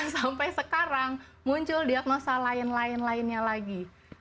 sampai sekarang muncul diagnosa lain lain lainnya lagi